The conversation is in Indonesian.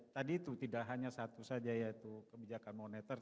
tadi itu tidak hanya satu saja yaitu kebijakan moneter